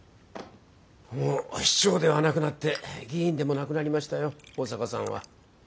もう市長ではなくなって議員でもなくなりましたよ保坂さんは。